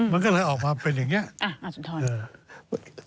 มันก็เลยออกมาเป็นอย่างนี้อ่ะอาจารย์ทร